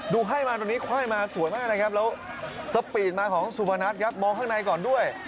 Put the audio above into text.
ดูให้มาตัวนี้ควายมาสวยสปีดมาของซูฟานัทครับมองข้างในก่อนด้วย